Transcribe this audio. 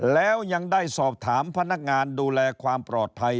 แล้วยังได้สอบถามพนักงานดูแลความปลอดภัย